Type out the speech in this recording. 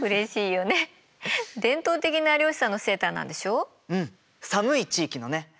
うん寒い地域のね。